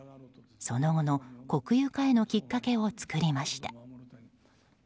その後の国有化へのきっかけを作りました。